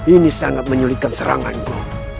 ini sangat menyulitkan seranganku